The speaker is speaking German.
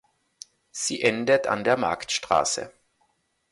Sie endet an der Marktstraße.